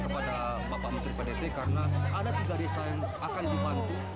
kepada bapak menteri pdt karena ada tiga desa yang akan dibantu